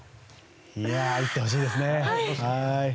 打ってほしいですね。